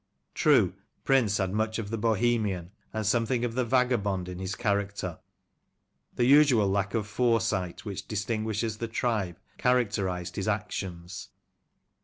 True, Prince had much of the Bohemian and something of the vagabond in his character. The usual lack of foresight which distinguishes the tribe, char acterised his actions.